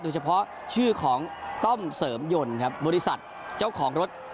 ชื่อของต้อมเสริมยนต์ครับบริษัทเจ้าของรถ